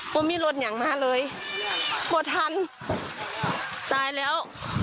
พอมีรถอย่างมาเลยพอทันตายแล้ว